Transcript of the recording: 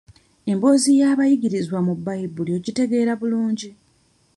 Emboozi y'abayigirizwa mu bbayibuli ogitegeera bulungi?